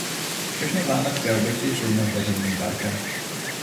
Všechny zámecké objekty jsou dnes veřejným parkem.